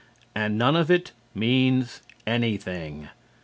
And none of it means anything.